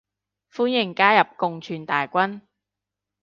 歡迎加入共存大軍